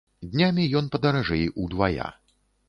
Днямі ён падаражэй удвая.